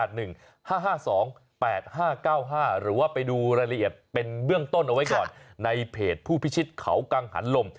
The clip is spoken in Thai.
หรือว่าไปดูรายละเอียดเป็นเบื้องต้นเอาไว้ก่อนในเพจผู้พิชิตเขากังหันลม